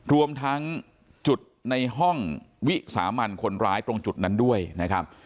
รวมทั้งจุดในห้องวิสามันคนร้ายตรงจุดนั้นด้วยนะครับ